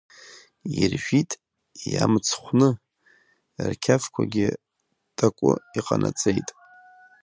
Иржәит иамцхәны, рқьафқәагьы такәы иҟанаҵеит.